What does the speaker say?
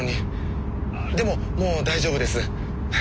でももう大丈夫です。